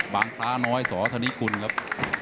บางซาน้อยสวทนิกุลครับ